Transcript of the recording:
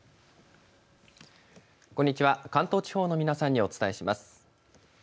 こんにちは、関東地方の皆さんにお伝えします。